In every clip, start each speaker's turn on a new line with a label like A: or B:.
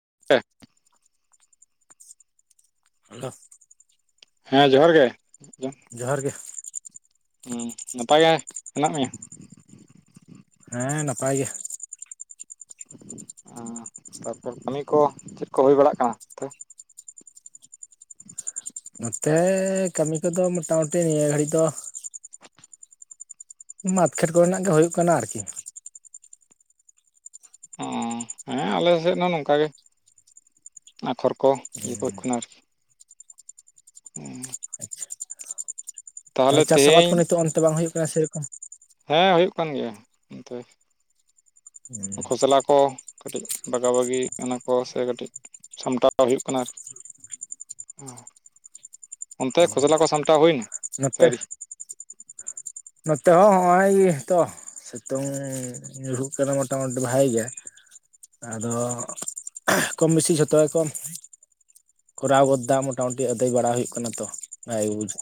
A: [unintelligible]
B: ᱟᱞᱚ᱾
A: ᱦᱮᱸ ᱡᱚᱦᱟᱨ ᱜᱮ᱾
B: ᱡᱚᱦᱟᱨ ᱜᱮ᱾
A: ᱩᱸ ᱱᱟᱯᱟᱭ ᱜᱮ ᱦᱮᱱᱟᱜ ᱢᱮᱭᱟ?
B: ᱦᱮᱸ ᱱᱟᱯᱟᱭ ᱜᱮ᱾
A: ᱟᱸ ᱛᱟᱯᱚᱨ ᱠᱟᱹᱢᱤ ᱠᱚ ᱪᱮᱫ ᱠᱚ ᱦᱩᱭ ᱵᱟᱲᱟᱜ ᱠᱟᱱᱟ?
B: ᱱᱚᱛᱮ ᱠᱟᱹᱢᱤ ᱠᱚᱫᱚ ᱢᱚᱴᱟ-ᱢᱩᱴᱤ ᱱᱤᱭᱟᱹ ᱜᱷᱟᱹᱲᱤᱡ ᱫᱚ ᱢᱟᱴ ᱠᱷᱮᱛ ᱠᱚᱨᱮᱱᱟᱜ ᱜᱮ ᱦᱩᱭᱩᱜ ᱠᱟᱱᱟ ᱟᱨᱠᱤ᱾
A: ᱚᱸ ᱦᱮᱸ ᱟᱞᱮ ᱥᱮᱫ ᱦᱚᱸ ᱱᱚᱝᱠᱟ ᱜᱮ ᱟᱯᱷᱚᱨ ᱠᱚ ᱤᱭᱟᱹ [unintelligible] ᱠᱟᱱᱟ ᱟᱨᱠᱤ᱾ ᱩᱸ
B: ᱛᱟᱦᱚᱞᱮ ᱪᱟᱥ ᱟᱵᱟᱫᱽ
A: ᱛᱮᱦᱮᱧ
B: ᱠᱚ ᱱᱤᱛᱚᱜ ᱚᱱᱛᱮ ᱵᱟᱝ ᱦᱩᱭᱩᱜ ᱠᱟᱱᱟ ᱥᱮ ᱨᱚᱠᱚᱢ?
A: ᱦᱮᱸ ᱦᱩᱭᱩᱜ ᱠᱟᱱ ᱜᱮᱭᱟ ᱚᱱᱛᱮ᱾ ᱠᱷᱚᱥᱞᱟ ᱠᱚ ᱠᱟᱹᱴᱤᱡ ᱵᱟᱜᱟ ᱵᱟᱜᱤ ᱠᱟᱱᱟ ᱠᱚ ᱥᱮ ᱠᱟᱹᱴᱤᱡ ᱥᱟᱢᱴᱟᱣ ᱦᱩᱭᱩᱜ ᱠᱟᱱᱟ ᱟᱨᱠᱤ᱾ ᱚᱱᱛᱮ ᱠᱷᱚᱥᱞᱟ ᱠᱚ ᱥᱟᱢᱴᱟᱣ ᱦᱩᱭᱱᱟ?
B: ᱱᱟᱛᱮ,
A: ᱥᱟᱹᱨᱤ
B: ᱱᱚᱛᱮ ᱦᱚᱸ ᱦᱚᱜᱼᱚᱭ ᱛᱚ, ᱥᱤᱛᱩᱝ ᱧᱩᱨᱦᱩᱜ ᱠᱟᱱᱟ ᱢᱳᱚᱴᱟᱢᱩᱴᱤ ᱵᱷᱟᱜᱮ ᱜᱮ᱾ ᱟᱫᱚ ᱠᱚᱢ ᱵᱮᱥᱤ ᱡᱷᱚᱛᱚ ᱜᱮ ᱠᱚ ᱠᱚᱨᱟᱣ ᱜᱚᱫᱟ ᱢᱚᱴᱟᱢᱩᱴᱤ ᱟᱹᱫᱟᱹᱭ ᱵᱟᱲᱟ ᱦᱩᱭᱩᱜ ᱠᱟᱱᱟ ᱛᱚ ᱱᱟ ᱜᱮ ᱵᱩᱡᱟ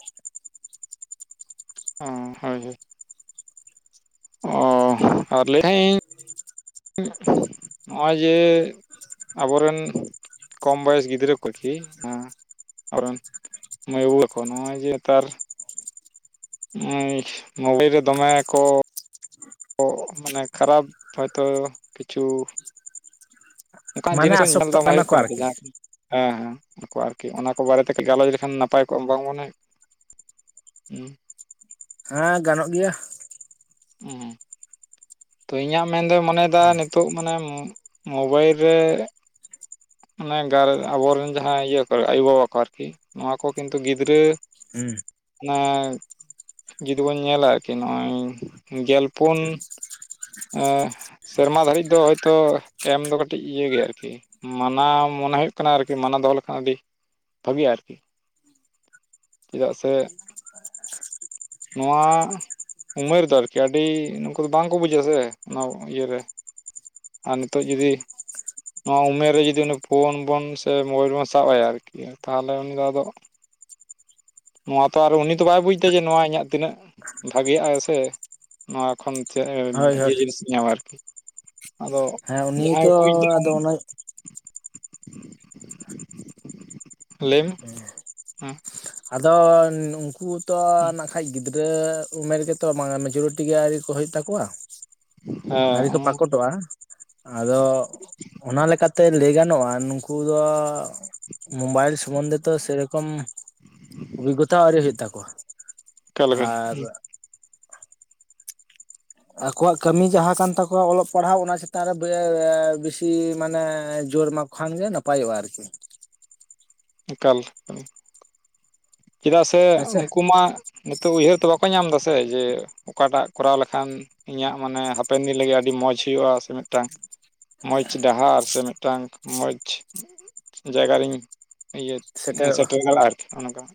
A: ᱚ ᱦᱳᱭ ᱦᱳᱭ᱾ ᱚ ᱟᱨ ᱞᱟᱹᱭᱮᱫ ᱛᱟᱦᱮᱫ ᱤᱧ᱾ ᱱᱚᱜᱼᱚᱭ ᱡᱮ ᱟᱵᱚᱨᱮᱱ ᱠᱚᱢ ᱵᱚᱭᱮᱥ ᱜᱤᱫᱽᱨᱟᱹ ᱠᱚ ᱠᱮ ᱚᱱᱟ ᱟᱵᱚᱨᱮᱱ ᱢᱟᱹᱭ ᱵᱟᱹᱵᱩ ᱛᱟᱠᱚ ᱱᱚᱜᱼᱚᱭ ᱡ ᱱᱮᱛᱟᱨ ᱢᱳᱵᱟᱭ ᱨᱮ ᱫᱚᱢᱮ ᱠᱚ ᱢᱮᱫ ᱠᱷᱟᱨᱟᱯ ᱦᱚᱭᱛᱚ ᱠᱤᱪᱷᱩ ᱚᱱᱠᱟᱱ
B: ᱢᱟᱱᱮ
A: ᱡᱤᱱᱤᱥ ᱦᱚᱸ ᱧᱮᱞ ᱫᱚ
B: ᱟᱥᱚᱠᱛᱚᱜ
A: ᱵᱟᱝ
B: ᱠᱟᱱᱟ
A: ᱦᱩᱭᱩᱜ
B: ᱠᱚ
A: ᱠᱟᱱᱟᱤ
B: ᱟᱨᱠᱤ
A: ᱡᱟᱦᱟᱸ ᱦᱮᱸ ᱦᱮᱸ ᱩᱱᱠᱩ ᱟᱨᱠᱤ ᱚᱱᱟ ᱠᱚ ᱵᱟᱨᱮᱛᱮ ᱠᱟᱹᱡ ᱜᱟᱞᱚᱪ ᱞᱮᱠᱷᱟᱱ ᱱᱟᱯᱟᱭ ᱠᱚᱜᱼᱟ ᱵᱟᱝ ᱢᱟᱱᱮ ᱦᱩᱸ
B: ᱦᱮᱸ, ᱜᱟᱱᱚᱜ ᱜᱮᱭᱟ ᱾
A: ᱦᱮᱸ ᱦᱮᱸ ᱾ ᱛᱚ ᱤᱧᱟᱹᱜ ᱢᱮᱱ ᱫᱚᱭ ᱢᱚᱱᱮᱭᱮᱫᱟ ᱱᱤᱛᱚᱜ ᱢᱟᱱᱮ‌ ᱢᱚ ᱢᱚᱵᱟᱭᱤᱞ ᱨᱮ ᱟᱱᱮ ᱜᱟᱨ ᱟᱵᱚᱨᱮᱱ ᱡᱟᱦᱟᱸ ᱤᱭᱟᱹ ᱠᱚ ᱟᱭᱳᱼᱵᱟᱵᱟ ᱠᱚ ᱟᱨᱠᱤ, ᱱᱚᱣᱟ ᱠᱚ ᱠᱤᱱᱛᱩ ᱜᱤᱫᱽᱨᱟᱹ
B: ᱦᱮᱸ ᱾
A: ᱚᱱᱮ ᱡᱩᱫᱤ ᱵᱚᱱ ᱧᱮᱞᱟ ᱟᱨᱠᱤ ᱱᱚᱜᱼᱚᱭ ᱜᱮᱞᱯᱳᱱ
B: [inaudible]
A: ᱥᱮᱨᱢᱟ ᱫᱷᱟᱹᱨᱤᱡ ᱫᱚ ᱦᱳᱭᱛᱳ ᱮᱢ ᱫᱚ ᱠᱟᱹᱴᱤᱡ ᱤᱭᱟᱹ ᱜᱮᱭᱟ ᱟᱨᱠᱤ ᱾ ᱢᱟᱱᱟᱣ ᱢᱚᱱᱮ ᱦᱩᱭᱩᱜ ᱠᱟᱱᱟ ᱟᱨᱠᱤ ᱢᱟᱱᱟ ᱫᱚᱦᱚ ᱞᱮᱠᱷᱟᱱ ᱟᱹᱰᱤ ᱵᱷᱟᱹᱜᱤᱜᱼᱟ ᱟᱨᱠᱤ ᱾ ᱪᱮᱫᱟᱜ ᱥᱮ ᱱᱚᱣᱟ ᱩᱢᱮᱨ ᱫᱚ ᱟᱨᱠᱤ ᱟᱹᱰᱤ ᱱᱩᱝᱠᱩ ᱫᱚ ᱵᱟᱝᱠᱚ ᱵᱩ ᱦᱷᱟᱹ ᱥᱮ ᱱᱚᱵ ᱤᱭᱟᱹᱨᱮ ᱟᱨ ᱱᱤᱛᱚᱜ ᱡᱩᱫᱤ ᱱᱚᱣᱟ ᱩᱢᱮᱨ ᱨᱮ ᱡᱩᱫᱤ ᱩᱱᱤ ᱯᱷᱳᱱ ᱵᱚᱱ ᱥᱮ ᱢᱳᱵᱟᱭᱤᱞ ᱵᱚᱱ ᱥᱟᱵ ᱟᱭᱟ ᱟᱨᱠᱤ, ᱛᱟᱦᱚᱞᱮ ᱩᱱᱤ ᱫᱚ ᱟᱫᱚ ᱱᱚᱣᱟ ᱛᱚ ᱟᱨ ᱩᱱᱤ ᱫᱚ ᱵᱟᱭ ᱵᱩᱡᱽᱫᱟ ᱡᱮ ᱱᱚᱣᱟ ᱤᱧᱟᱹᱜ ᱛᱤᱱᱟᱹᱜ ᱵᱷᱟᱜᱮᱭᱟᱜᱼᱟᱭ ᱥᱮ ᱱᱚᱣᱟ ᱠᱷᱚᱱ ᱪᱮᱫ
B: ᱦᱳᱭ
A: ᱤᱭᱟᱹ
B: ᱦᱳᱭ
A: ᱡᱤᱱᱤᱥ ᱧᱟᱢᱟ ᱟᱨᱠᱤ ᱾ ᱟᱫᱚ
B: ᱦᱮᱸ ᱩᱱᱤ
A: ᱡᱟᱦᱟᱸᱭ
B: ᱛᱚ
A: ᱠᱩᱡᱽᱫᱟ
B: ᱟᱫᱚ
A: ᱚᱝ
B: ᱚᱱᱟ
A: ᱞᱟᱹᱭ ᱢᱮ! ᱦᱮᱸ
B: ᱟᱫᱚ ᱩᱝᱠᱩ ᱛᱚ ᱱᱟᱜ ᱠᱷᱟᱡ ᱜᱤᱫᱽ ᱨᱟᱹ ᱩᱢᱮᱨ ᱜᱮᱛᱚ ᱵᱟᱝ ᱢᱮᱡᱚᱨᱤᱴᱤ ᱜᱮ ᱟᱹᱣᱨᱤ ᱠᱚ ᱦᱩᱭᱩᱜ ᱛᱟᱠᱚᱣᱟ ᱾ ᱟᱣᱨᱤ
A: ᱦᱮᱸ
B: ᱠᱚ ᱯᱟᱠᱚᱴᱚᱣᱟ ᱾ ᱟᱫᱚ ᱚᱱᱟ ᱞᱮᱠᱟᱛᱮ ᱞᱟᱹᱭ ᱜᱟᱱᱚᱜᱼᱟ ᱱᱩᱝᱠᱩ ᱫᱚ ᱢᱳᱵᱟᱭᱤᱞ ᱥᱚᱢᱵᱚᱱᱫᱮ ᱛᱚ ᱥᱮ ᱨᱚᱠᱚᱢ ᱚᱵᱷᱤᱜᱚᱛᱟ ᱦᱚᱸ ᱟᱹᱣᱨᱤ ᱦᱩᱭᱩᱜ ᱛᱟᱠᱚᱣᱟ,
A: ᱚᱠᱟ ᱞᱮᱠᱟ
B: ᱟᱨ ᱟᱠᱚᱣᱟᱜ ᱠᱟᱹᱢᱤ ᱡᱟᱦᱟᱸ ᱠᱟᱱ ᱛᱟᱠᱚᱣᱟ ᱚᱞᱚᱜ ᱯᱟᱲᱦᱟᱣ ᱚᱱᱟ ᱪᱮᱛᱟᱱ ᱨᱮ ᱵᱮᱻ ᱵᱮᱥᱤ ᱢᱟᱱᱮ ᱡᱳᱨ ᱢᱟᱠ ᱠᱷᱟᱱ ᱜᱮ ᱱᱟᱯᱟᱭᱚᱜᱼᱟ ᱟᱨᱠᱤ ᱾
A: ᱮᱠᱟᱞ ᱮᱠᱟᱞ ᱾ ᱪᱮᱫᱟᱜ ᱥᱮ
B: ᱦᱮᱸᱥᱮ
A: ᱩᱝᱠᱩ ᱢᱟ ᱱᱤᱛᱚᱜ ᱩᱭᱦᱟᱹᱨ ᱛᱮ ᱵᱟᱠᱚ ᱧᱟᱢ ᱫᱟᱥᱮ ᱡᱮ ᱚᱠᱟᱴᱟᱜ ᱠᱚᱨᱟᱣ ᱞᱮᱠᱷᱟᱱ ᱤᱧᱟᱹᱜ ᱢᱟᱱᱮ ᱦᱟᱯᱮᱱ ᱫᱤᱱ ᱞᱟᱹᱜᱤᱫ ᱟᱹᱰᱤ ᱢᱚᱸᱡᱽ ᱦᱩᱭᱩᱜᱼᱟ ᱥᱮ ᱢᱤᱫᱴᱟᱝ ᱢᱚᱡᱽ ᱰᱟᱦᱟᱨ ᱥᱮ ᱢᱤᱫᱴᱟᱝ ᱢᱚᱡᱽ ᱡᱟᱭᱜᱟ ᱨᱤᱧ ᱤᱭᱟᱹ
B: ᱥᱮᱴᱮᱨᱚᱜᱼᱟ
A: ᱥᱮᱴᱮᱨ ᱫᱟᱲᱮᱣᱟ ᱟᱨᱠᱤ ᱚᱱᱚᱝᱠᱟ ᱾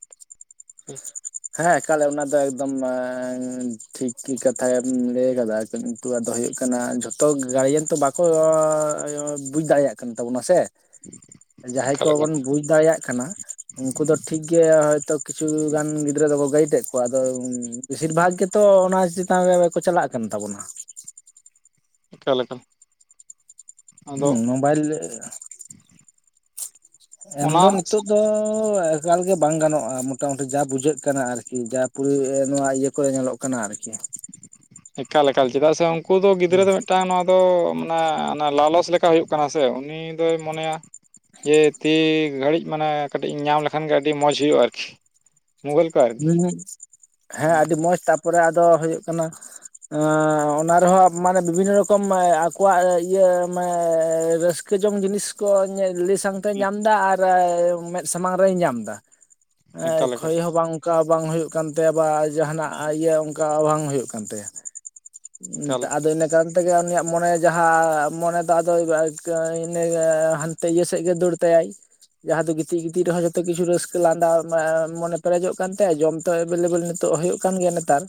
B: ᱦᱮᱸ ᱮᱠᱟᱞᱮ ᱚᱱᱟ ᱫᱚ ᱮᱠᱫᱚᱢᱻ ᱴᱷᱤᱠ ᱠᱤ ᱠᱟᱛᱷᱟᱢ ᱞᱮ ᱠᱟᱫᱟ ᱠᱤᱱᱛᱩ ᱟᱫᱚ ᱦᱳᱭᱳᱜ ᱠᱟᱱᱟ ᱡᱷᱚᱛᱚ ᱜᱟᱨᱡᱮᱱ ᱛᱚ ᱵᱟ ᱠᱚᱻ ᱵᱩᱡ ᱫᱟᱲᱮᱭᱟᱜ ᱠᱟᱱ ᱛᱟᱵᱚᱱᱟ ᱥᱮ ᱾ ᱡᱟᱦᱟᱸᱭ
A: ᱮᱠᱟᱞ ᱮᱠᱟᱞ
B: ᱠᱚᱵᱚᱱ ᱵᱩᱡᱽ ᱫᱟᱲᱮᱭᱟᱜ ᱠᱟᱱᱟ, ᱩᱝᱠᱩ ᱫᱚ ᱴᱷᱤᱠ ᱜᱮ ᱦᱚᱭᱛᱚ ᱠᱤᱪᱷᱩ ᱜᱟᱱ ᱜᱤ ᱫᱽᱨᱟᱹ ᱫᱚᱠᱚ ᱜᱟᱹᱭᱤᱰ ᱮᱫ ᱠᱚᱣᱟ, ᱟᱫᱚ ᱵᱮᱥᱤᱨ ᱵᱷᱟᱜᱽ ᱜᱮᱛᱚ ᱚᱱᱟ ᱪᱮᱛᱟᱱ ᱨᱮᱠᱚ ᱪᱟᱞᱟᱜ ᱠᱟᱱ ᱛᱟᱵᱚᱱᱟ ᱾
A: ᱮᱠᱟᱞ ᱮᱠᱟᱞ ᱾
B: ᱦᱩᱸ, ᱢᱳᱵᱟᱭᱤᱞ ᱮᱢ
A: ᱚᱱᱟ
B: ᱫᱚ ᱱᱤᱛᱚᱜ ᱫᱚᱻ ᱮᱠᱟᱞ ᱜᱮ ᱵᱟᱝ ᱜᱟᱱᱚᱜᱼᱟ ᱢᱚᱴᱟᱢᱩᱴᱤ ᱡᱟ ᱵᱩᱡᱷᱟᱹᱜ ᱠᱟᱱᱟ ᱟᱨᱠᱤ ᱡᱟ ᱯᱩᱨᱤ ᱱᱚᱣᱟ ᱤᱭᱟᱹ ᱠᱚᱨᱮ ᱧᱮᱞᱚᱜ ᱠᱟᱱᱟ ᱟᱨᱠᱤ ᱾
A: ᱮᱠᱟᱞ ᱮᱠᱟᱞ, ᱪᱮᱫᱟᱜ ᱥᱮ ᱳᱝᱠᱳ ᱫᱚ ᱜᱤᱫᱽᱨᱟᱹ ᱫᱚ ᱢᱮᱫ ᱴᱟᱝ ᱱᱚᱣᱟ ᱫᱚᱻ ᱢᱟᱱᱮ ᱚᱱᱟ ᱞᱟᱞᱚᱪ ᱞᱮᱠᱟ ᱦᱩᱭᱩᱜ ᱠᱟᱱᱟ ᱥᱮ, ᱩᱱᱤ ᱫᱚᱭ ᱢᱚᱱᱮᱭᱟ ᱡᱮ ᱛᱤ ᱜᱷᱟᱹᱲᱤᱡ ᱢᱟᱱᱮ ᱠᱟᱹᱴᱤᱡ ᱤᱧ ᱧᱟᱢ ᱞᱮᱠᱷᱟᱱ ᱜᱮ ᱟᱹᱰᱤ ᱢᱚᱡᱽ ᱦᱩᱭᱩᱜᱼᱟ ᱟᱨᱠᱤ ᱾
B: ᱦᱩᱸ, ᱦᱮᱸ ᱟᱹᱰᱤ ᱢᱚᱸᱡᱽ ᱛᱟᱯᱚᱨᱮ ᱟᱫᱚ ᱦᱳᱭᱳᱜ ᱠᱟᱱᱟ ᱮᱻ ᱚᱱᱟ ᱨᱮᱦᱚᱸ ᱢᱟᱱᱮ ᱵᱤᱵᱷᱤᱱᱱᱚ ᱨᱚᱠᱚᱢ ᱟᱠᱚᱣᱟᱜ ᱤᱭᱟᱹ ᱢᱟᱱᱮ ᱨᱟᱹᱥ ᱠᱟᱹ ᱡᱚᱝ ᱡᱤᱱᱤᱥ ᱠᱚ ᱞᱟᱹᱭ ᱥᱟᱣᱛᱮ ᱧᱟᱢ ᱫᱟ ᱟᱨ ᱢᱮᱫ ᱥᱟᱢᱟᱝ ᱨᱮ ᱧᱟᱢ ᱫᱟ
A: [unintelligible]
B: ᱮ
A: ᱮᱠᱟᱞ
B: ᱠᱷᱚᱭ ᱦᱚᱸ ᱵᱟᱝ ᱚᱱᱠᱟ ᱵᱟᱝ ᱦᱩᱭᱩᱜ ᱠᱟᱱ ᱛᱟᱭᱟ ᱵᱟ ᱡᱟᱦᱟᱱᱟᱜ ᱤᱭᱟᱹ ᱚᱱᱠᱟ ᱵᱟᱝ ᱦᱩᱭᱩᱜ ᱠᱟᱱ ᱛᱟᱭᱟ
A: ᱮᱠᱟᱞ
B: ᱟᱫᱚ ᱤᱱᱟᱹ ᱠᱟᱱ ᱛᱮᱜᱮ ᱩᱱᱤᱭᱟᱜ ᱢᱚᱱᱮ ᱡᱟᱦᱟᱸ ᱢᱚᱱᱮ ᱫᱚ ᱟᱫᱚ [unintelligible] ᱦᱟᱱᱛᱮ ᱤᱭᱟᱹ ᱥᱮᱫ ᱜᱮᱭ ᱫᱟᱹᱲ ᱛᱟᱭᱟᱭ᱾ ᱡᱟᱦᱟᱸ ᱫᱚ ᱜᱤᱛᱤᱡ ᱜᱤᱛᱤᱡ ᱨᱮᱚᱸ ᱡᱚᱛᱚ ᱠᱤᱪᱷᱩ ᱨᱟᱹᱥᱠᱟᱹ ᱞᱟᱸᱫᱟ ᱮ ᱢᱚᱱᱮ ᱯᱮᱨᱮᱡᱚᱜ ᱠᱟᱱ ᱛᱟᱭᱟ ᱡᱚᱢ ᱛᱚ ᱮᱵᱮᱞᱮᱵᱮᱞ ᱱᱤᱛᱚᱜ ᱦᱩᱭᱩᱜ ᱠᱟᱱ ᱜᱮᱭᱟ ᱱᱮᱛᱟᱨ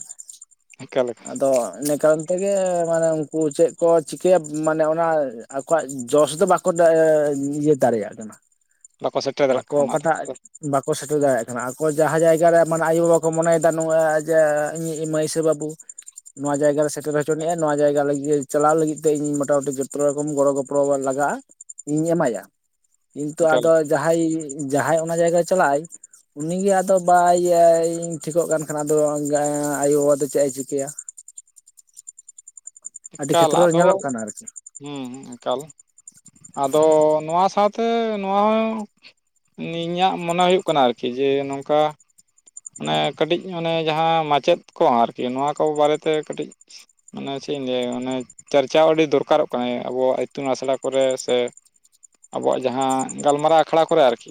A: ᱮᱠᱟᱞ
B: ᱟᱫᱚ ᱤᱱᱟ ᱠᱟᱨᱚᱱ ᱛᱮᱜᱮ ᱢᱟᱱᱮ ᱩᱱᱠᱩ ᱪᱮᱫ ᱠᱚ ᱪᱤᱠᱟᱹᱭᱟ ᱢᱟᱱᱮ ᱚᱱᱟ ᱟᱠᱚᱣᱟᱜ ᱡᱚᱥ ᱫᱚ ᱵᱟᱠᱚ ᱤᱭᱟᱹ ᱫᱟᱲᱮᱭᱟᱜ ᱠᱟᱱᱟ
A: ᱵᱟᱠᱚ ᱥᱮᱴᱮᱨ ᱫᱟᱲᱮᱭᱟᱜ ᱠᱟᱱᱟ
B: ᱟᱠᱚ
A: ᱚᱱᱟᱨᱮ
B: ᱚᱠᱟᱴᱟᱜ ᱵᱟᱠᱚ ᱥᱮᱴᱮᱨ ᱫᱟᱲᱮᱭᱟᱜ ᱠᱟᱱᱟ ᱟᱠᱚ ᱡᱟᱦᱟᱸ ᱡᱟ ᱡᱟᱸᱦᱟᱨᱮ ᱢᱟᱱᱮ ᱟᱭᱚᱼᱵᱟᱵᱟ ᱠᱚ ᱢᱚᱱᱮᱫᱟ ᱱᱚᱣᱟ ᱡᱮ ᱤᱧᱤᱡ ᱢᱟᱹᱭ ᱥᱮ ᱵᱟᱹᱵᱩ ᱱᱚᱣᱟ ᱡᱟᱭᱜᱟ ᱨᱮ ᱥᱮᱴᱮᱨ ᱦᱚᱪᱚ ᱱᱤᱜᱼᱟ ᱱᱚᱣᱟ ᱡᱟᱭᱜᱟ ᱞᱟᱹᱜᱤᱫ ᱪᱟᱞᱟᱣ ᱞᱟᱹᱜᱤᱫ ᱛᱮ ᱤᱧ ᱢᱚᱴᱟᱢᱩᱴᱤ ᱡᱚᱛᱚ ᱨᱚᱠᱚᱢ ᱜᱚᱲᱚ ᱜᱚᱯ ᱯᱚᱲᱚ ᱞᱟᱜᱟᱜᱼᱟ ᱤᱧᱤᱧ ᱮᱢᱟᱭᱟ ᱠᱤᱱᱛᱩ
A: ᱮᱠᱟᱞ
B: ᱟᱫᱚ ᱡᱟᱦᱟᱸᱭ ᱡᱟᱦᱟᱸᱭ ᱚᱱᱟ ᱡᱟᱭᱜᱟᱭ ᱪᱟᱞᱟᱜ ᱟᱭ ᱩᱱᱤᱜᱮ ᱟᱫᱚ ᱵᱟᱭ ᱤᱭᱟᱹ ᱴᱷᱤᱠᱚᱜ ᱠᱟᱱ ᱠᱷᱟᱱ ᱟᱫᱚ ᱟᱭᱳᱵᱟᱵᱟ ᱫᱚ ᱪᱮᱫ ᱮ ᱪᱤᱠᱟᱹᱭᱟ ᱟᱹᱰᱤ
A: ᱮᱠᱟᱞ
B: ᱠᱷᱮᱛᱨᱚ ᱨᱮ
A: ᱟᱫᱚ
B: ᱧᱮᱞᱚᱜ ᱠᱟᱱᱟ ᱟᱨᱠᱤ
A: ᱦᱮᱸ ᱮᱠᱟᱞ ᱟᱫᱚ ᱱᱚᱣᱟ ᱥᱟᱶᱛᱮ ᱱᱚᱣᱟ ᱦᱚᱸ ᱤᱧᱟᱹᱜ ᱢᱚᱱᱮ ᱦᱩᱭᱩᱜ ᱠᱟᱱᱟ ᱟᱨᱠᱤ ᱡᱮ ᱱᱚᱝᱠᱟ ᱢᱟᱱᱮ ᱠᱟᱹᱴᱤᱡ ᱢᱟᱱᱮ ᱡᱟᱦᱟᱸ ᱢᱟᱪᱮᱫ ᱠᱚ ᱟᱨᱠᱤ ᱱᱚᱣᱟ ᱠᱚ ᱵᱟᱨᱮᱛᱮ ᱠᱟᱹᱴᱤᱡ- ᱢᱟᱱᱮ ᱪᱮᱫ ᱤᱧ ᱞᱟᱹᱭᱟ ᱚᱱᱮ ᱪᱟᱨᱪᱟ ᱟᱹᱰᱤ ᱫᱚᱨᱠᱟᱨᱚᱜ ᱠᱟᱱᱟ ᱟᱵᱚᱣᱟᱜ ᱤᱛᱩᱱ ᱟᱥᱲᱟ ᱠᱚᱨᱮ ᱥᱮ ᱟᱵᱚᱣᱟᱜ ᱡᱟᱦᱟᱸ ᱜᱟᱞᱢᱟᱨᱟᱣ ᱟᱠᱷᱲᱟ ᱠᱚᱨᱮ ᱟᱨᱠᱤ‌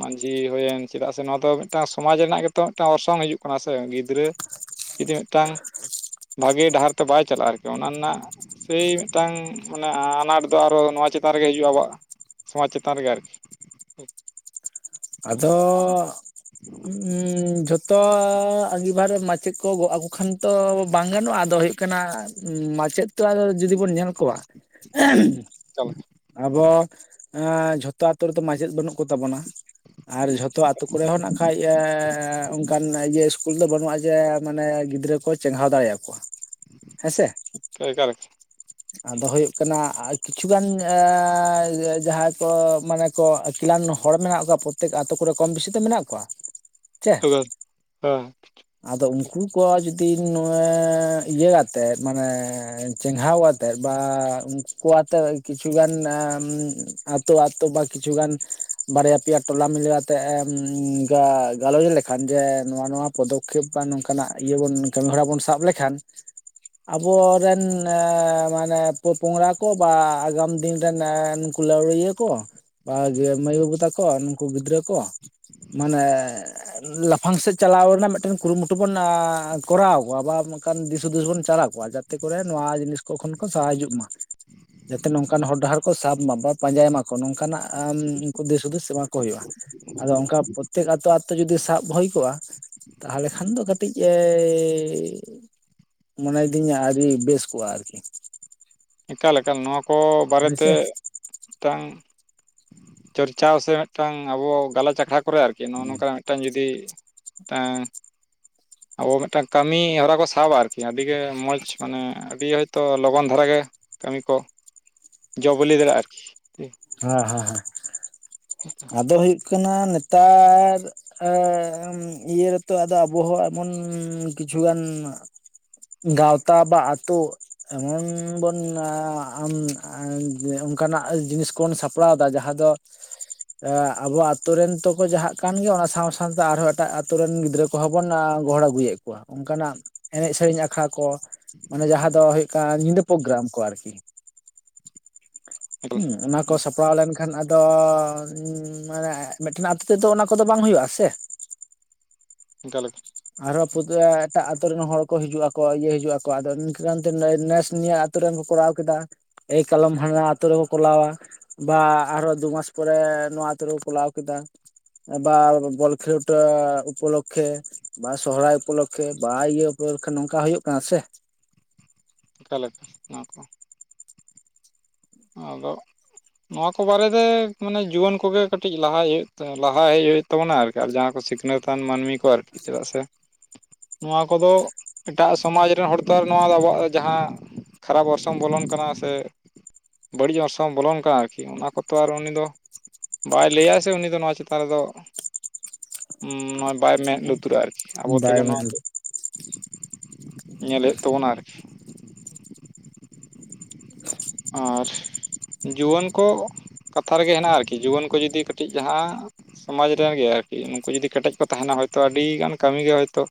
A: ᱢᱟᱹᱡᱷᱤ ᱦᱩᱭᱮᱱ ᱪᱮᱫᱟᱜ ᱥᱮ ᱱᱚᱣᱟ ᱫᱚ ᱢᱤᱫᱴᱟᱝ ᱥᱚᱢᱟᱡᱽ ᱨᱮᱱᱟᱜ ᱜᱮ ᱛᱚ ᱢᱤᱫᱴᱟᱝ ᱚᱨᱥᱚᱝ ᱦᱤᱡᱩᱜ ᱠᱟᱱᱟ ᱥᱮ ᱜᱤᱫᱽᱨᱟᱹ ᱡᱩᱫᱤ ᱢᱤᱫᱴᱟᱝ ᱵᱷᱟᱜᱤ ᱰᱟᱦᱟᱨ ᱛᱮ ᱵᱟᱭ ᱪᱟᱞᱟᱜᱼᱟ ᱟᱨᱠᱤ ᱚᱱᱟ ᱨᱮᱱᱟᱜ ᱥᱮᱭ ᱢᱤᱫᱴᱟᱝ ᱢᱟᱱᱮ ᱟᱱᱟᱴ ᱫᱚ ᱟᱨᱚ ᱱᱚᱣᱟ ᱪᱮᱛᱟᱱ ᱨᱮᱜᱮ ᱦᱤᱡᱩᱜᱼᱟ ᱟᱵᱚᱣᱟᱜ ᱥᱚᱢᱟᱡᱽ ᱪᱮᱛᱟᱱ ᱨᱮᱜᱮ ᱟᱨᱠᱤ
B: ᱟᱫᱚ ᱩᱸ ᱡᱚᱛ ᱛᱚ ᱟᱺᱜᱤᱵᱷᱟᱨ ᱨᱮ ᱢᱟᱪᱮᱫ ᱠᱚ ᱜᱚᱜ ᱟᱠᱚ ᱠᱷᱟᱱ ᱛᱚ ᱵᱟᱝ ᱜᱟᱱᱚᱜᱼᱟ ᱟᱫᱚ ᱦᱩᱭᱩᱜ ᱠᱟᱱᱟ ᱢᱟᱪᱮᱫ ᱛᱚ ᱟᱨᱦᱚ ᱡᱩᱫᱤ ᱵᱚᱱ ᱧᱮᱞ ᱠᱚᱣᱟ
A: ᱮᱠᱟᱞ
B: ᱟᱵᱚ ᱡᱷᱚᱛᱚ ᱟᱛᱳ ᱨᱮᱫᱚ ᱢᱟᱪᱮᱫ ᱵᱟᱹᱱᱩᱜ ᱠᱚᱛᱟ ᱵᱚᱱᱟ ᱟᱨ ᱡᱷᱚᱛᱚ ᱟᱛᱩ ᱠᱚᱨᱮᱦᱚ ᱱᱟᱜ ᱠᱷᱟᱡ ᱚᱱᱠᱟᱱ ᱤᱭᱟᱹ ᱤᱥᱠᱩᱞ ᱫᱚ ᱵᱟᱹᱱᱩᱜᱼᱟ ᱡᱮ ᱢᱟᱱᱮ ᱜᱤᱫᱽᱨᱟᱹ ᱠᱚ ᱪᱮᱜᱷᱟᱣ ᱫᱟᱲᱮ ᱟᱠᱚᱣᱟ
A: [inaudible]
B: ᱦᱮᱸ ᱥᱮ
A: ᱮᱠᱟᱞ
B: ᱟᱫᱚ ᱦᱩᱭᱩᱜ ᱠᱟᱱᱟ ᱠᱤᱪᱷᱩᱜᱟᱱ ᱮᱻ ᱡᱟᱦᱟᱸᱭ ᱠᱚ ᱢᱟᱱᱮ ᱠᱚ ᱟᱹᱠᱤᱞᱟᱱ ᱦᱚᱲ ᱢᱮᱱᱟᱜ ᱠᱚᱣᱟ ᱯᱨᱚᱛᱮᱠ ᱟᱹᱛᱩ ᱠᱚᱨᱮ ᱠᱚᱢ ᱵᱮᱥᱤ ᱛᱚ ᱢᱮᱱᱟᱜ ᱠᱚᱣᱟ ᱥᱮ
A: [unintelligible]
B: ᱟᱫᱚ ᱩᱱᱠᱩ ᱠᱚ ᱡᱩᱫᱤ ᱱᱚᱣᱟ ᱤᱭᱟᱹ ᱟᱛᱮᱫ ᱢᱟᱱᱮ ᱪᱮᱸᱜᱷᱟᱣ ᱟ ᱛᱮᱫ ᱵᱟ ᱩᱱᱠᱩ ᱠᱚ ᱟᱛᱮ ᱠᱤᱪᱷᱩ ᱜᱟᱱ ᱟᱛᱳ ᱟᱛᱳ ᱵᱟ ᱠᱤᱪᱷᱩ ᱜᱟᱱ ᱵᱟᱨᱭᱟ ᱯᱮᱭᱟ ᱴᱚᱞᱟ ᱢᱤᱞᱟᱹᱣ ᱟᱛᱮᱜ ᱮᱢ ᱜᱟ ᱜᱟᱞᱚᱪ ᱞᱮᱠᱷᱟᱱ ᱡᱮ ᱱᱚᱣᱟ ᱱᱚᱣᱟ ᱯᱚᱫᱚᱠᱷᱮᱯ ᱴᱟᱝ ᱱᱚᱝᱠᱟᱱᱟᱜ ᱤᱭᱟᱹ ᱵᱚᱱ ᱠᱟᱹᱢᱤ ᱦᱚᱨᱟ ᱵᱚᱱ ᱥᱟᱵ ᱞᱮᱠᱷᱟᱱ ᱟᱵᱚ ᱨᱮᱱ ᱢᱟᱱᱮ ᱯᱳ ᱯᱚᱝᱨᱟ ᱠᱚ ᱵᱟ ᱟᱜᱟᱢ ᱫᱤᱱ ᱨᱮᱱ ᱱᱩᱠ ᱞᱟᱹᱣᱲᱤᱭᱟᱹ ᱠᱚ ᱵᱟ ᱢᱟᱹᱭ ᱵᱟᱹᱵᱩ ᱛᱟᱠᱚ ᱱᱩᱠᱩ ᱜᱤᱫᱽᱨᱟᱹ ᱠᱚ ᱢᱟᱱᱮ ᱞᱟᱯᱷᱟᱝ ᱥᱮᱫ ᱪᱟᱞᱟᱣ ᱨᱮᱱᱟᱜ ᱢᱮᱫ ᱴᱮᱱ ᱠᱩᱨᱩ ᱢᱩᱴᱩ ᱵᱚᱱ ᱠᱚᱨᱟᱣ ᱠᱚᱣᱟ ᱵᱟ ᱚᱱᱠᱟᱱ ᱫᱤᱥ ᱦᱩᱫᱤᱥ ᱵᱚᱱ ᱪᱟᱞ ᱟᱠᱚᱣᱟ ᱡᱟᱛᱮ ᱛᱮ ᱠᱚ ᱨᱮ ᱱᱚᱣᱟ ᱡᱤᱱᱤᱥ ᱠᱚ ᱠᱷᱚᱱ ᱠᱚ ᱥᱟᱦᱟ ᱦᱤᱡᱩᱜ ᱢᱟ᱾ ᱡᱟᱛᱮ ᱱᱚᱝᱠᱟᱱ ᱦᱚᱨ ᱰᱟᱦᱟᱨ ᱠᱚ ᱥᱟᱵ ᱢᱟ ᱵᱟ ᱯᱟᱸᱡᱟᱭ ᱢᱟᱠᱚ ᱱᱚᱝᱠᱟᱱᱟᱜ ᱩᱱᱠᱩ ᱫᱤᱥ ᱦᱩᱫᱤᱥ ᱮᱢᱟ ᱠᱚ ᱦᱳᱭᱳᱜᱼᱟ ᱟᱫᱚ ᱚᱝᱠᱟ ᱯᱚᱛᱮᱠ ᱟᱛᱳ ᱟᱛᱳ ᱡᱩᱫᱤ ᱥᱟᱵ ᱦᱳᱭ ᱠᱚᱜᱼᱟ ᱛᱟᱦᱚᱞᱮ ᱠᱷᱟᱱ ᱫᱚ ᱠᱟᱹᱴᱤᱡ ᱮᱻ ᱢᱚᱱᱮᱭ ᱫᱤᱧᱟ ᱟᱹᱣᱨᱤ ᱵᱮᱥ ᱠᱚᱜᱼᱟ ᱟᱨᱠᱤ᱾
A: ᱮᱠᱟᱞ ᱮᱠᱟᱞ ᱱᱚᱣᱟ ᱠᱚ ᱵᱟᱨᱮ
B: ᱦᱮᱸ
A: ᱛᱮ
B: ᱥᱮ
A: ᱛᱟᱝ ᱪᱚᱨᱪᱟᱣ ᱥᱮ ᱢᱤᱫ ᱴᱟᱝ ᱟᱵᱚ ᱜᱟᱞᱚᱪ ᱟᱠᱷᱲᱟ ᱠᱚ ᱨᱮ ᱟᱨ ᱠᱤ ᱱᱚᱜᱚ ᱱᱚᱝᱠᱟ ᱢᱤᱫ ᱴᱟᱝ ᱡᱩᱫᱤ ᱛᱮᱦᱮᱧ ᱟᱵᱚ ᱢᱤᱫ ᱴᱟᱝ ᱠᱟᱹᱢᱤ ᱦᱚᱨᱟ ᱠᱚ ᱥᱟᱵᱟ ᱟᱨᱠᱤ ᱟᱹᱰᱤ ᱜᱮ ᱢᱚᱡᱽ ᱢᱟᱱᱮ ᱟᱹᱰᱤ ᱦᱳᱭᱛᱚ ᱞᱚᱜᱚᱱ ᱫᱷᱟᱨᱟ ᱜᱮ ᱠᱟᱹᱢᱤ ᱠᱚ ᱡᱚ ᱵᱮᱞᱮ ᱫᱟᱲᱮᱭᱟᱜᱼᱟ ᱟᱨᱠᱤ
B: ᱦᱟᱸ ᱦᱟᱸ ᱦᱟᱸ ᱟᱫᱚ ᱦᱳᱭᱳᱜ ᱠᱟᱱᱟ ᱱᱮᱛᱟᱨ ᱟᱻ ᱤᱭᱟᱹ ᱨᱮ ᱛᱚ ᱟᱫᱚ ᱟᱵᱚᱦᱚᱸ ᱮᱢᱚᱱ ᱠᱤᱪᱷᱩᱜ ᱜᱟᱱ ᱜᱟᱶᱛᱟ ᱵᱟ ᱟᱹᱛᱳ ᱮᱢᱚᱱ ᱵᱚᱱ ᱟᱢ ᱚᱱᱠᱟᱱᱟᱜ ᱡᱤᱱᱤᱥ ᱵᱚᱱ ᱥᱟᱯᱲᱟᱣ ᱫᱟ ᱡᱟᱦᱟᱸ ᱫᱚ ᱟᱵᱚ ᱟᱛᱳ ᱨᱮᱱ ᱛᱚ ᱠᱚ ᱡᱟᱜ ᱠᱟᱱ ᱜᱮ ᱚᱱᱟ ᱥᱟᱶ ᱥᱟᱶ ᱛᱮ ᱟᱨ ᱦᱚᱸ ᱮᱴᱟᱜ ᱟᱛᱳ ᱨᱮᱱ ᱜᱤᱫᱽᱨᱟᱹ ᱠᱚ ᱠᱚ ᱦᱚᱸ ᱵᱚᱱ ᱜᱚᱦᱚᱲ ᱟᱹᱜᱩᱭᱮᱫ ᱠᱚᱣᱟ ᱚᱱᱠᱟᱱᱟᱜ ᱮᱱᱮᱡ ᱥᱮᱨᱮᱧ ᱟᱠᱷᱲᱟ ᱠᱚ᱾ ᱢᱟᱱᱮ ᱡᱟᱦᱟᱸ ᱫᱚ ᱦᱳᱭᱳᱜ ᱠᱟᱱᱟ ᱧᱤᱫᱟᱹ ᱯᱳᱜᱨᱟᱢ ᱠᱚ ᱟᱨᱠᱤ ᱦᱩᱸ ᱚᱱᱟ ᱠᱚ ᱥᱟᱯᱲᱟᱣ ᱞᱮᱱᱠᱷᱟᱱ ᱟᱫᱳ ᱦᱸ ᱢᱟᱱᱮ ᱢᱮᱫ ᱴᱮᱱ ᱟᱛᱳ ᱛᱮ ᱫᱚ ᱚᱱᱟ ᱠᱚ ᱫᱚ ᱵᱟᱝ ᱦᱳᱭᱳᱜ-ᱟ ᱥᱮ
A: ᱜᱟᱞᱚᱪ
B: ᱟᱨ ᱦᱚᱸ ᱮᱴᱟᱜ ᱟᱛᱩᱨ ᱨᱮᱱ ᱦᱚᱲ ᱠᱚ ᱦᱤᱡᱩᱜ ᱟᱠᱚ ᱤᱭᱟᱹ ᱦᱤᱡᱩᱜ ᱟᱠᱚ ᱟᱫᱚ ᱱᱤᱝᱠᱟᱹ ᱠᱟᱱᱛᱮ ᱱᱮᱥ ᱱᱤᱭᱟ. ᱟᱛᱳ ᱨᱮᱱ ᱠᱚ ᱠᱚᱨᱟᱣ ᱠᱮᱫᱟ ᱮᱭ ᱠᱟᱞᱚᱢ ᱦᱟᱱᱰᱟ ᱟᱛᱳ ᱨᱮ ᱠᱚ ᱠᱚᱞᱟᱣᱟ᱾ ᱵᱟ ᱟᱨ ᱦᱚᱸ ᱫᱩᱢᱟᱟᱥ ᱯᱚᱨᱮ ᱱᱚᱣᱟ ᱟᱛᱳ ᱨᱮ ᱠᱚᱞᱟᱣ ᱠᱮᱫᱟ᱾ ᱵᱟ ᱵᱚᱞ ᱠᱷᱮᱞᱴᱟ ᱩᱯᱞᱚᱠᱷᱮ ᱵᱟ ᱥᱚᱦᱨᱟᱭ ᱩᱯᱚᱞᱚᱠᱷᱮ ᱵᱟ ᱤᱭᱟᱹ ᱩᱯᱚᱞᱚᱠᱷᱮ ᱱᱚᱝᱠᱟ ᱦᱩᱭᱩᱜ ᱠᱟᱱᱟ ᱥᱮ
A: ᱟᱞᱮᱠᱟ ᱱᱚᱣᱟ ᱠᱚ ᱟᱫᱚ ᱱᱚᱣᱟ ᱠᱚ ᱵᱟᱨᱮ ᱛᱮ ᱢᱟᱱᱮ ᱡᱩᱣᱟᱹᱱ ᱠᱚ ᱜᱮ ᱠᱟᱹᱴᱤᱡ ᱞᱟᱦᱟᱭ ᱦᱳᱭᱳᱜ ᱞᱟᱦᱟ ᱦᱮᱡ ᱦᱳᱭᱳᱜ ᱛᱟᱵᱚᱱᱟ ᱟᱨ ᱠᱤ ᱟᱨ ᱡᱟᱦᱟᱸᱭ ᱠᱚ ᱥᱤᱠᱷᱱᱟᱹᱛᱟᱱ ᱢᱟᱹᱱᱢᱤ ᱠᱚ ᱟᱨ ᱠᱤ ᱪᱮᱫᱟᱜ ᱥᱮ ᱱᱚᱣᱟ ᱠᱚ ᱫᱳ ᱮᱴᱟᱜ ᱥᱚᱢᱟᱡᱽ ᱨᱮᱱ ᱦᱚᱲ ᱛᱳ ᱟᱨ ᱱᱚᱣᱟ ᱫᱚ ᱟᱵᱚᱣᱟᱜ ᱡᱟᱦᱟᱸ ᱠᱷᱟᱨᱟᱯ ᱚᱨᱥᱚᱝ ᱵᱚᱞᱚᱱ ᱠᱟᱱᱟ ᱥᱮ ᱵᱟᱹᱲᱤᱡ ᱚᱨᱥᱚᱝ ᱵᱚᱞᱚᱱ ᱠᱟᱱᱟ ᱟᱨ ᱠᱤ ᱚᱱᱟ ᱠᱚ ᱛᱚ ᱟᱨ ᱩᱱᱤ ᱫᱳ ᱵᱟᱭ ᱞᱟᱹᱭᱟᱭ ᱥᱮ ᱩᱱᱤ ᱫᱚ ᱱᱚᱣᱟ ᱪᱮᱛᱟᱱ ᱨᱮ ᱫᱚ ᱱᱚᱜᱚᱭ ᱵᱟᱭ ᱢᱮᱸᱫ ᱞᱩᱛᱩᱨᱟᱜᱟ ᱟᱨ ᱠᱤ ᱟᱵᱚ ᱛᱮ
B: ᱵᱟᱭ
A: ᱜᱮ ᱱᱚᱣᱟ ᱠᱚ ᱧᱮᱞ ᱦᱳᱭᱳᱜ ᱛᱟᱵᱚᱱᱟ ᱟᱨ ᱠᱤ ᱟᱨ ᱡᱩᱣᱟᱹᱱ ᱠᱚ ᱠᱟᱛᱷᱟ ᱨᱮ ᱜᱮ ᱦᱮᱱᱟᱜᱼᱟ ᱟᱨ ᱠᱤ ᱡᱩᱣᱟᱹᱱ ᱠᱚ ᱡᱩᱫᱤ ᱠᱟᱹᱴᱤᱡ ᱡᱟᱦᱟᱸ ᱥᱚᱢᱟᱡᱽ ᱨᱮᱱ ᱜᱮ ᱟᱨ ᱠᱤ ᱱᱩᱝᱠᱩ ᱡᱩᱫᱤ ᱠᱮᱴᱮᱡ ᱠᱚ ᱛᱟᱦᱮᱱᱟ ᱦᱚᱭᱛᱚ ᱟᱹᱰᱤ ᱜᱟᱱ ᱠᱟᱹᱢᱤ ᱜᱮ ᱦᱳᱭ ᱛᱳ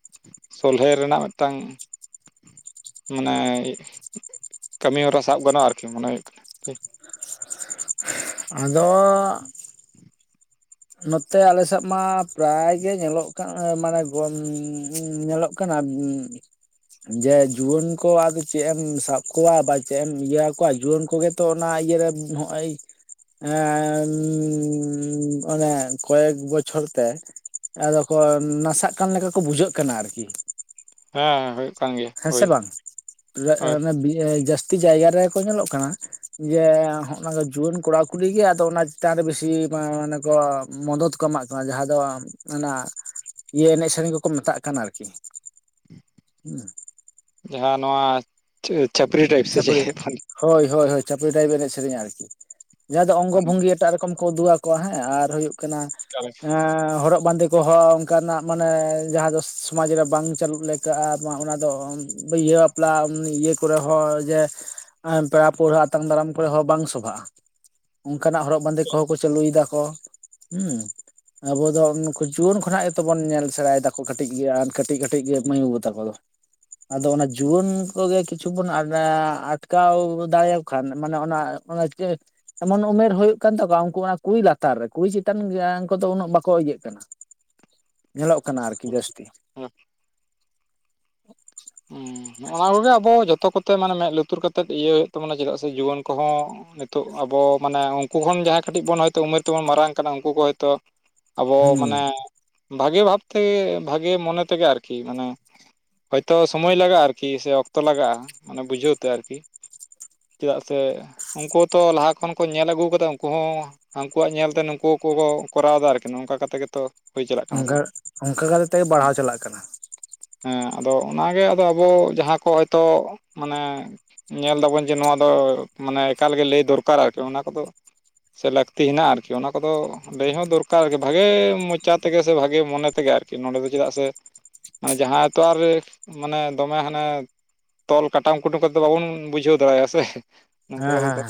A: ᱥᱚᱞᱦᱮ ᱨᱮᱱᱟᱜ ᱢᱮᱫ ᱴᱟᱝ ᱢᱟᱱᱮ ᱠᱟᱹᱢᱤ ᱦᱚᱨᱟ ᱥᱟᱵ ᱜᱟᱱᱚᱜᱼᱟ ᱟᱨᱠᱤ ᱢᱚᱱᱮ ᱦᱳᱭᱳᱜ ᱠᱟᱱᱟ
B: ᱟᱫᱚ ᱱᱚᱛᱮ ᱟᱞᱮ ᱥᱮᱫ ᱢᱟ ᱯᱨᱟᱭ ᱜᱮ ᱧᱮᱞᱚᱜ ᱠᱟᱱ ᱢᱟᱱᱮ ᱧᱮᱞᱚᱜ ᱠᱟᱱ ᱠᱟᱱᱟ ᱡᱮ ᱡᱩᱣᱟᱹᱱ ᱠᱚ ᱟᱫᱚ ᱪᱮᱫ ᱮᱢ ᱥᱟᱵ ᱠᱚᱣᱟ ᱵᱟ ᱪᱮᱫ ᱮᱢ ᱤᱭᱟᱹ ᱟᱠᱚᱶᱟ ᱡᱮ ᱡᱩᱣᱟᱹᱱ ᱠᱚᱜᱮ ᱛᱚ ᱚᱱᱟ ᱤᱭᱟᱹᱮ ᱦᱚᱜᱼᱚᱭ ᱚᱱᱮ ᱠᱚᱭᱮᱠ ᱵᱚᱪᱷᱚᱨ ᱛᱮᱼᱼ ᱟᱫᱚ ᱠᱚ ᱱᱟᱥᱟᱜ ᱠᱟᱱ ᱞᱮᱠᱟ ᱠᱚ ᱵᱩᱡᱷᱟᱹᱜ ᱠᱟᱱᱟ ᱟᱨᱠᱤ ᱾
A: ᱦᱮᱸ ᱦᱳᱭ ᱾ ᱠᱟᱱ ᱜᱮᱭᱟ
B: ᱦᱮᱸ ᱥᱮ ᱵᱟᱝ, ᱮ ᱮ ᱵᱤ ᱮ ᱡᱟᱹᱥᱛᱤ ᱡᱟᱭᱜᱟ ᱨᱮᱠᱚ ᱧᱮᱞᱚᱜ ᱠᱟᱱᱟ ᱾ ᱡᱮ ᱦᱚᱜᱼᱚ ᱱᱟ ᱡᱩᱣᱟᱹᱱ ᱠᱚᱲᱟ ᱠᱩᱲᱤ ᱜᱮ ᱟᱫᱚ ᱚᱱᱟ ᱪᱮᱛᱟᱱ ᱨᱮ ᱵᱮᱥᱤ ᱢᱟᱱᱮ ᱠᱚ ᱢᱚᱫᱚᱫᱼᱼ ᱠᱚ ᱮᱢᱟᱜ ᱠᱟᱱᱟ ᱡᱟᱦᱟᱸ ᱫᱚ, ᱚᱱᱟ ᱤᱭᱟᱹ ᱮᱱᱮᱡ ᱥᱮᱨᱮᱧ ᱠᱚᱠᱚ ᱢᱮᱛᱟᱜ ᱠᱟᱱᱟ ᱟᱨᱠᱤ ᱾ ᱦᱩᱸ
A: ᱡᱟᱦᱟᱸ ᱱᱚᱣᱟ ᱪᱟᱹᱯᱨᱤ ᱴᱟᱭᱤᱯ ᱥᱮ ᱪᱮᱫ?
B: ᱦᱚᱭ ᱦᱚᱭ, ᱦᱚᱭ ᱪᱷᱟᱯᱨᱤ ᱰᱟᱭᱤᱵ ᱮᱱᱮᱡ ᱥᱮᱨᱮᱧ ᱟᱨᱠᱤ, ᱱᱚᱣᱟ ᱫᱚ ᱚᱝᱜᱚ ᱵᱷᱚᱝᱜᱤ ᱮᱴᱟᱜ ᱨᱚᱠᱚᱢ ᱠᱚ ᱩᱫᱩᱜᱼᱟ ᱾ ᱦᱮᱸ [unintelligible] ᱟᱨ ᱦᱩᱭᱩᱜ ᱠᱟᱱᱟ ᱦᱚᱨᱚᱜ ᱵᱟᱸᱫᱮ ᱾ ᱜᱚᱦᱚ ᱚᱱᱠᱟᱱᱟᱜ ᱢᱟᱱᱮ ᱡᱟᱦᱟᱸ ᱫᱚ ᱥᱚᱢᱟᱡᱽ ᱨᱮ ᱵᱟᱝ ᱪᱟᱹᱞᱩᱜ ᱞᱮᱠᱟᱼᱟ, ᱵᱟᱝ ᱚᱱᱟᱫᱚ ᱤᱭᱟᱹᱼᱼ ᱞᱟ ᱤᱭᱟᱹ ᱠᱚᱨᱮᱼᱼ ᱱᱚᱜᱼᱚᱭ ᱡᱮ ᱯᱮᱲᱟ ᱯᱟᱹᱲᱦᱟᱹ ᱟᱛᱟᱝ ᱫᱟᱨᱟᱢ ᱠᱚᱨᱮ ᱦᱚᱸ ᱵᱟᱝ ᱥᱚᱵᱷᱟᱜᱼᱟ ᱾ ᱚᱱᱠᱟ ᱱᱟᱜ ᱦᱚᱨᱚᱜ ᱵᱟᱸᱫᱮ ᱠᱚᱦᱚᱸ ᱠᱚ ᱪᱟᱹᱞᱩᱭ ᱫᱟ ᱠᱚ ᱦᱮᱸ ᱾ ᱟᱵᱚ ᱫᱚ ᱩᱱᱠᱩ ᱡᱩᱣᱟᱹᱱ ᱠᱷᱚᱱᱟᱜ ᱜᱮᱛᱚ ᱵᱚᱱ ᱧᱮᱞ ᱥᱮᱲᱟᱭ ᱫᱟᱠᱚ, ᱠᱟᱹᱴᱤᱡ ᱜᱮ ᱟᱨ ᱠᱟᱹᱴᱤᱡ ᱠᱟᱹᱴᱤᱡ ᱜᱮ ᱢᱟᱹᱭ ᱵᱟᱹᱵᱩ ᱛᱟᱠᱚ ᱫᱚ ᱾ ᱟᱫᱚ ᱚᱱᱟ ᱡᱩᱣᱟᱹᱱ ᱚᱠᱛᱚ ᱜᱮᱼᱼ ᱠᱤᱪᱷᱩ ᱵᱚᱱ ᱟᱴᱠᱟᱣ ᱫᱟᱲᱮᱭᱟᱜ ᱠᱷᱟᱱ ᱢᱟᱱᱮ ᱚᱱᱮ ᱚᱱᱟ ᱪᱮᱫ? ᱮᱢᱚᱱ ᱩᱢᱮᱨ ᱦᱩᱭᱩᱜ ᱠᱟᱱ ᱛᱟᱠᱚᱣᱟ ᱩᱱᱠᱩ ᱚᱱᱟ ᱠᱩᱲᱤ ᱞᱟᱛᱟᱨ ᱨᱮ, ᱠᱩᱲᱤ ᱪᱮᱛᱟᱱ ᱠᱚᱫᱚ ᱩᱱᱟᱹᱜ ᱵᱟᱠᱚ ᱤᱭᱟᱹᱜ ᱠᱟᱱᱟ ᱾ ᱧᱮᱞᱚᱜ ᱠᱟᱱᱟ ᱟᱨᱠᱤ ᱡᱟᱹᱥᱛᱤ ᱾
A: ᱦᱩᱸ ᱾ ᱚᱱᱟ ᱠᱚᱜᱮ ᱟᱵᱚ ᱡᱚᱛᱚ ᱠᱚᱛᱮ ᱢᱟᱱᱮ ᱢᱮᱸᱫ ᱞᱩᱛᱩᱨ ᱠᱟᱛᱮᱜ ᱤᱭᱟᱹ ᱦᱩᱭᱩᱜ ᱛᱟᱵᱚᱱᱟ, ᱪᱮᱫᱟᱜ ᱥᱮ ᱡᱩᱣᱟᱹᱱ ᱠᱚᱦᱚᱸᱼᱼ ᱱᱤᱛᱚᱜ ᱟᱵᱚ ᱢᱟᱱᱮ ᱩᱱᱠᱩ ᱠᱷᱚᱱ ᱡᱟᱦᱟᱸᱭ ᱠᱟᱹᱴᱤᱡ ᱵᱚᱱ ᱦᱚᱭᱛᱚ ᱩᱢᱮᱨ ᱛᱮᱵᱚᱱ ᱢᱟᱨᱟᱝ ᱠᱟᱱᱟ ᱩᱱᱠᱩ ᱠᱚ ᱦᱚᱭ ᱛᱚᱼᱼ ᱟᱵᱚ
B: ᱦᱩᱸ
A: ᱢᱟᱱᱮ ᱵᱷᱟᱜᱮ ᱵᱷᱟᱵ ᱛᱮᱜᱮ ᱵᱷᱟᱜᱮ ᱢᱚᱱᱮ ᱛᱮᱜᱮ ᱟᱨᱠᱤ ᱾ ᱢᱟᱱᱮᱼᱼ ᱛᱚ ᱥᱚᱢᱚᱭ ᱞᱟᱜᱟᱜᱼᱟ ᱟᱨᱠᱤ ᱥᱮ ᱚᱠᱛᱚ ᱞᱟᱜᱟᱜᱼᱟ ᱢᱟᱱᱮ ᱵᱩᱡᱷᱟᱹᱣ ᱛᱮ ᱟᱨᱠᱤ ᱪᱮᱫᱟᱜ ᱥᱮᱼᱼ ᱩᱱᱠᱩ ᱛᱚ ᱞᱟᱦᱟ ᱠᱷᱚᱱ ᱠᱚ ᱧᱮᱞ ᱟᱹᱜᱩ ᱠᱟᱫᱟ ᱩᱱᱠᱩ ᱦᱚᱸᱼᱼ ᱦᱟᱱᱠᱩᱣᱟᱜ ᱧᱮᱞᱛᱮ ᱱᱩᱠᱩ ᱠᱚ ᱠᱚᱨᱟᱣ ᱮᱫᱟ ᱟᱨᱠᱤ, ᱱᱚᱝᱠᱟ ᱠᱟᱛᱮᱜ ᱜᱮᱛᱚᱼᱼ
B: ᱚᱱᱠᱟ ᱚᱱᱠᱟᱛᱮ ᱛᱮᱜᱮ ᱵᱟᱲᱦᱟᱣ ᱪᱟᱞᱟᱜ ᱠᱟᱱᱟ ᱾
A: ᱦᱮᱸ ᱟᱫᱚ ᱚᱱᱟᱜᱮ ᱟᱫᱚ ᱟᱵᱚ ᱡᱟᱦᱟᱸ ᱠᱚ ᱦᱚᱭᱛᱚ ᱢᱟᱱᱮᱼᱼ ᱧᱮᱞ ᱫᱟᱵᱚᱱ ᱡᱮ ᱱᱚᱣᱟ ᱫᱚ ᱢᱟᱱᱮ ᱮᱠᱟᱞᱜᱮ ᱞᱟᱹᱭ ᱫᱚᱨᱠᱟᱨ ᱟᱨᱠᱤ, ᱚᱱᱟ ᱠᱚᱫᱚᱼᱼ ᱥᱮ ᱞᱟᱹᱠᱛᱤ ᱦᱮᱱᱟᱜᱼᱟ ᱟᱨᱠᱤ ᱚᱱᱟ ᱠᱚᱫᱚ ᱾ ᱞᱟᱹᱭ ᱦᱚᱸ ᱫᱚᱨᱠᱟᱨ ᱟᱨᱠᱤ ᱵᱷᱟᱜᱮ ᱢᱚᱪᱟ ᱛᱮᱜᱮ ᱥᱮ ᱵᱷᱟᱜᱮ ᱢᱚᱱᱮ ᱛᱮᱜᱮ ᱟᱨᱠᱤ ᱱᱚᱸᱰᱮ ᱫᱚ ᱪᱮᱫᱟᱜ ᱥᱮᱼᱼ ᱡᱟᱦᱟᱸᱭ ᱛᱚ ᱟᱨᱮᱼᱼ ᱢᱟᱱᱮ ᱫᱚᱢᱮ ᱦᱟᱱᱮ ᱛᱚᱞ ᱠᱟᱴᱟᱢ ᱠᱩᱴᱩᱢ ᱠᱟᱛᱮᱫ ᱵᱟᱵᱚᱱ ᱵᱩᱡᱷᱟᱹᱣ ᱫᱟᱲᱮᱭᱟᱜᱼᱟ ᱥᱮ ᱾ ᱱᱚᱝᱠᱟ
B: ᱦᱮᱸ
A: ᱠᱟᱛᱮᱫ
B: ᱦᱮᱸ
A: ᱫᱚ,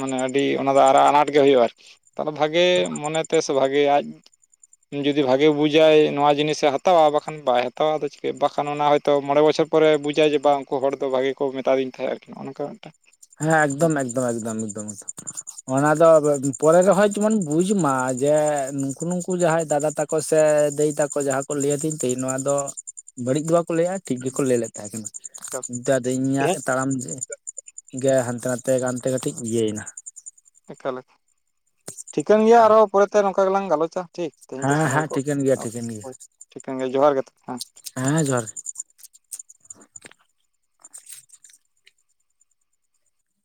A: ᱢᱟᱱᱮ ᱟᱹᱰᱤ ᱚᱱᱟ ᱫᱚ ᱟᱨᱟᱜ ᱟᱱᱟᱴ ᱜᱮ ᱦᱩᱭᱩᱜᱼᱟ ᱟᱨᱠᱤ ᱾ ᱟᱫᱚ ᱵᱷᱟᱜᱮ ᱢᱚᱱᱮᱛᱮ ᱥᱮ ᱵᱷᱟᱜᱮ ᱟᱡᱼᱼ ᱡᱩᱫᱤ ᱵᱷᱟᱜᱮ ᱵᱩᱡᱽᱼᱟᱭ ᱱᱚᱣᱟ ᱡᱤᱱᱤᱥ ᱮ ᱦᱟᱛᱟᱣᱟ ᱵᱟᱠᱷᱟᱱ ᱵᱟᱭ ᱦᱟᱛᱟᱣᱟ ᱾ ᱟᱫᱚ ᱪᱮᱫ ᱮᱠ ᱯᱟᱨᱥᱮᱱᱴ ᱚᱱᱟ ᱦᱚᱭᱛᱚ ᱢᱚᱬᱮ ᱵᱚᱪᱷᱚᱨ ᱯᱚᱨᱮ ᱵᱩᱡᱽᱼᱟᱭ, ᱡᱮ ᱵᱟᱝ ᱩᱱᱠᱩ ᱦᱚᱲ ᱫᱚ ᱵᱷᱟᱜᱮ ᱠᱚ ᱢᱮᱛᱟ ᱫᱤᱧ ᱛᱟᱦᱮᱸᱫ ᱟᱨᱠᱤ ᱱᱚᱜᱼᱚ ᱱᱚᱝᱠᱟ ᱾
B: ᱦᱮᱸ ᱮᱠᱫᱚᱢ ᱮᱠᱫᱚᱢ ᱮᱠᱫᱚᱢ ᱮᱠᱫᱚᱢ ᱮᱠᱫᱚᱢ ᱾
A: [inaudible]
B: ᱚᱱᱟ ᱫᱚ ᱯᱚᱨᱮ ᱨᱮᱦᱚᱭ ᱡᱮᱢᱚᱱ ᱵᱩᱡᱽ ᱢᱟ, ᱡᱮ ᱱᱩᱠᱩ ᱱᱩᱠᱩ ᱡᱟᱦᱟᱸᱭ ᱫᱟᱫᱟ ᱛᱟᱠᱚᱼᱼ ᱥᱮ ᱫᱟᱹᱭ ᱛᱟᱠᱚ ᱡᱟᱦᱟᱸ ᱠᱚ ᱞᱟᱹᱭ ᱟᱹᱫᱤᱧ ᱛᱮᱦᱮᱧ ᱱᱚᱣᱟ ᱫᱚ ᱵᱟᱹᱲᱤᱡ ᱫᱚ ᱵᱟᱠᱚ ᱞᱟᱹᱭᱟ ᱾ ᱴᱷᱤᱠ ᱜᱮᱠᱚ ᱞᱟᱹᱭ ᱞᱮᱫ ᱛᱟᱦᱮᱸ, ᱱᱤᱛᱚᱜ ᱟᱫᱚ ᱤᱧᱟᱹᱜ
A: ᱛᱮᱦᱮᱧ
B: ᱛᱟᱲᱟᱢᱼᱼ ᱜᱮ ᱦᱟᱱᱛᱮ ᱱᱟᱛᱮ ᱜᱟᱱᱛᱮ ᱜᱟᱛᱮᱧ ᱤᱭᱟᱹ ᱭᱮᱱᱟ ᱮᱱᱟ ᱾
A: ᱮᱠᱟᱞ, ᱴᱷᱤᱠᱟᱹᱱ ᱜᱮᱭᱟ ᱟᱨᱚ ᱯᱚᱨᱮᱛᱮ ᱱᱚᱝᱠᱟ ᱜᱮᱞᱟᱝ ᱜᱟᱞᱚᱪᱟ ᱾
B: ᱦᱟᱸ ᱦᱟᱸ ᱴᱷᱤᱠᱟᱹᱱ ᱜᱮᱭᱟ ᱴᱷᱤᱠᱟᱹᱱ ᱜᱮᱭᱟ ᱾
A: ᱴᱷᱤᱠᱟᱹᱱ ᱜᱮ, ᱡᱚᱦᱟᱨ ᱜᱮ [unintelligible]
B: ᱦᱮᱸ, ᱡᱚᱦᱟᱨ ᱜᱮ᱾